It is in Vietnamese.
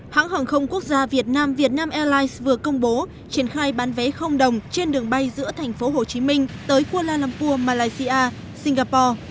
hãng hàng không quốc gia việt nam vietnam airlines vừa công bố triển khai bán vé không đồng trên đường bay giữa thành phố hồ chí minh tới kuala lumpur malaysia singapore